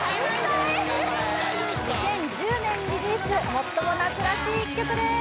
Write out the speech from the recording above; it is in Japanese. ２０１０年リリースもっとも夏らしい１曲です